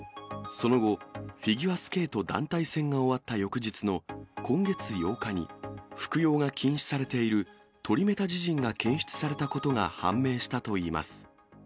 その後、フィギュアスケート団体戦が終わった翌日の今月８日に、服用が禁止されているトリメタジジンが検出されたことが判明したといいます。